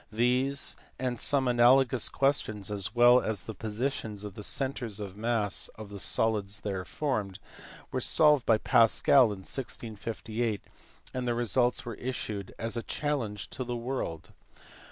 These and some analogous ques tions, as well as the positions of the centres of the mass of the solids formed, were solved by Pascal in 1658, and the results were issued as a challenge to the world.